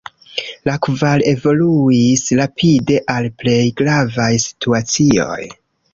La kvar evoluis rapide al plej gravaj situacioj.